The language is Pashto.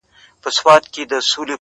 کلونه کيږي چي ولاړه يې روانه نه يې ـ